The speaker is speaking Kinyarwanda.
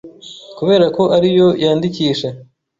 kubera ko ari yo yandikisha.